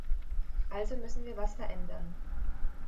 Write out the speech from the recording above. Also müssen wir was verändern.